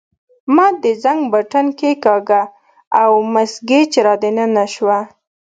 ما د زنګ بټن کښېکاږه او مس ګېج را دننه شوه.